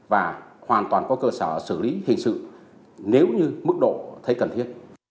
và hoàn toàn có cơ sở xử lý hình sự nếu như mức độ thấy cần thiết